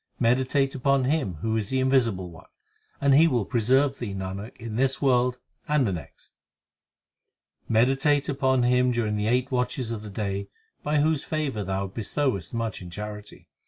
Meditate upon Him who is the Invisible One, And he will preserve thee, Nanak, in this world and the next. 5 Meditate upon Him during the eight watches of the day By whose favour thou bestowest much in charity.